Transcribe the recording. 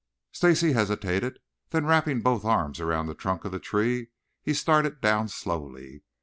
Stacy hesitated, then wrapping both arms about the tree trunk he started down slowly.